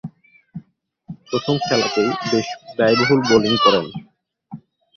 প্রথম খেলাতেই বেশ ব্যয়বহুল বোলিং করেন।